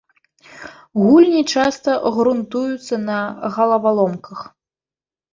Гульні часта грунтуюцца на галаваломках.